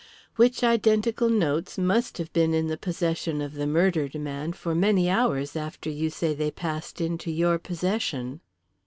"Which identical notes must have been in the possession of the murdered man for many hours after you say they passed into your possession."